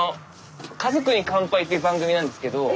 「家族に乾杯」っていう番組なんですけど。